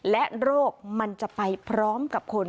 และโรคมันจะไปพร้อมกับคน